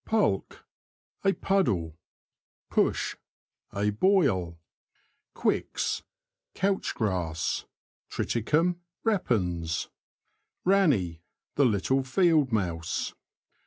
PuLK. — A puddle. Push. — A boil. Quicks. — Couch grass {Triticum repens). Ranny. — The little field mouse.